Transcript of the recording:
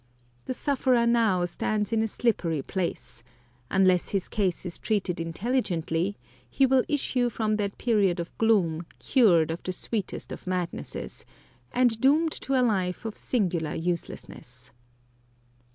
The sufferer now stands in a slippery place; unless his case is treated intelligently he will issue from that period of gloom cured of the sweetest of madnesses, and doomed to a life of singular uselessness.